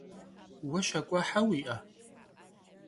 Vue şak'uehe vui'e?